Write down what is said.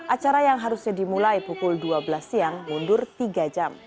acara yang harusnya dimulai pukul dua belas siang mundur tiga jam